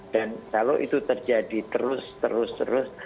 dan kalau itu terjadi terus terus